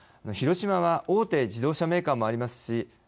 広島は大手自動車メーカーもありますし